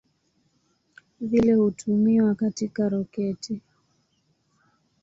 Vile hutumiwa katika roketi.